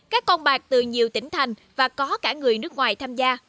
các con bạc từ nhiều tỉnh thành và có cả người nước ngoài tham gia